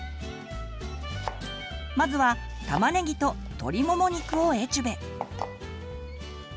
まずはたまねぎと鶏もも肉をエチュベ。